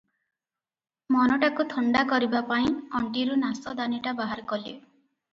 ମନଟାକୁ ଥଣ୍ଡା କରିବା ପାଇଁ ଅଣ୍ଟିରୁ ନାଶଦାନିଟା ବାହାର କଲେ ।